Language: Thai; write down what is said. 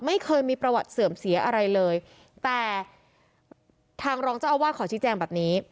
ไม่เคยมีประวัติเสื่อมเสียอะไรเลยแต่ทางรองเจ้าอาวาสขอชี้แจงแบบนี้